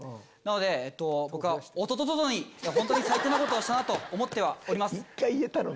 なので僕はおととととに本当に最低なことをしたなと思ってはおります。